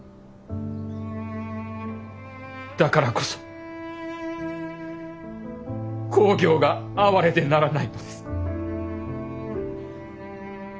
だからこそ公暁が哀れでならないのです。